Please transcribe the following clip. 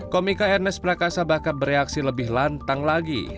komika ernest prakasa bakal bereaksi lebih lantang lagi